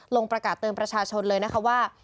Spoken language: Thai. ลงประกาศเตือนประชาชนเลยนะคะว่า